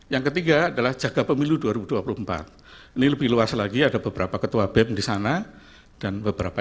yang ketiga adalah jaga pemilu dua ribu dua puluh empat ini lebih luas lagi ada beberapa ketua bem di sana dan beberapa